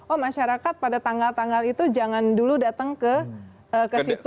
oh masyarakat pada tanggal tanggal itu jangan dulu datang ke situ